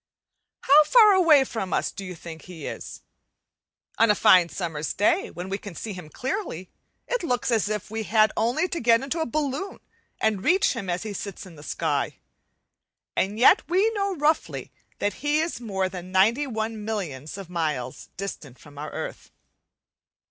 How far away from us do you think he is? On a fine summer's day when we can see him clearly, it looks as if we had only to get into a balloon and reach him as he sits in the sky, and yet we know roughly that he is more than ninety one millions of miles distant from our earth.